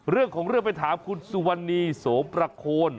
เรื่องของเรื่องไปถามคุณสุวรรณีโสประโคน